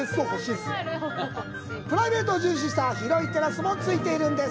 プライベートを重視した広いテラスもついているんです。